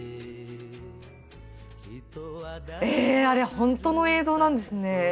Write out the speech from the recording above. あれホントの映像なんですね。